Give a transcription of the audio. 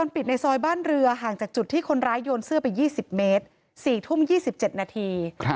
ไปจุดที่คนร้ายโยนเสื้อไปยี่สิบเมตรสี่ทุ่มยี่สิบเจ็ดนาที